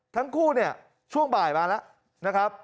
ทั้งคู่เนี่ยช่วงบ่ายมาแล้วนะครับ